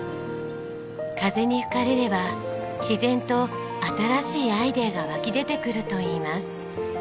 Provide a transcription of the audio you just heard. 風に吹かれれば自然と新しいアイデアが湧き出てくると言います。